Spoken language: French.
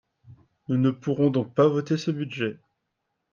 Nous ne pourrons donc pas voter ce budget.